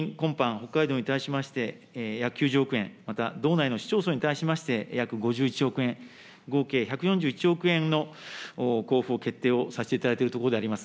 北海道に対しまして約９０億円、道内の市町村に対しまして、約５１億円、合計１４１億円の交付を決定をさせていただいているところであります。